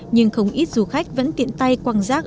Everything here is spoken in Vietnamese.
nhưng không ít du khách vẫn tiện tay quăng rác